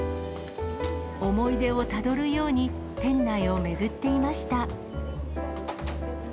思い出をたどるように、店内を巡っていました。